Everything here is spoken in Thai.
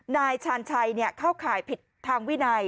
นายชาญชัยเข้าข่ายผิดทางวินัย